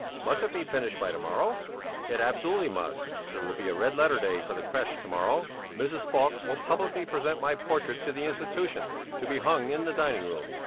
"Must it be finished by to morrow?" "It absolutely must! It will be a red letter day for the crèche to morrow; Mrs. Falk will publicly present my portrait to the institution, to be hung in the dining room."